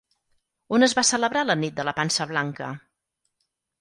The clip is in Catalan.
On es va celebrar la Nit de la Pansa blanca?